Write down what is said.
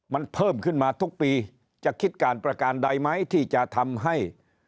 มันเพิ่มขึ้นมาทุกปีจะคิดการประการใดไหมที่จะทำให้